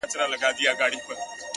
• دا چي انجوني ټولي ژاړي سترگي سرې دي ـ